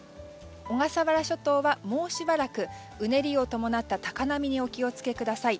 小笠原諸島は、もうしばらくうねりを伴った高波にお気を付けください。